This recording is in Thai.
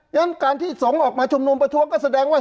ฉะนั้นการที่สงฆ์ออกมาชุมนุมประท้วงก็แสดงว่า